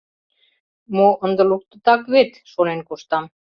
«Мо, ынде луктытак вет?» — шонен коштам.